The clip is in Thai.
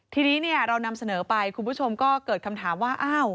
ทีนี้เรานำเสนอไปคุณผู้ชมก็เกิดคำถามว่าอ้าว